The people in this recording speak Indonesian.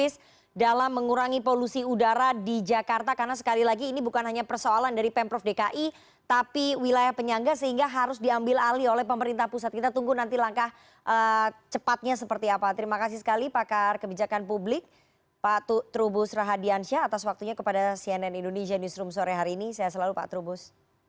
pemerintah ya bukan hanya lip service dalam mengurangi polusi udara di jakarta karena sekali lagi ini bukan hanya persoalan dari pemprov dki tapi wilayah penyangga sehingga harus diambil alih oleh pemerintah pusat kita tunggu nanti langkah cepatnya seperti apa terima kasih sekali pakar kebijakan publik pak trubus rahadiansyah atas waktunya kepada cnn indonesia newsroom sore hari ini saya selalu pak trubus